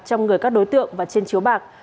trong người các đối tượng và trên chiếu bạc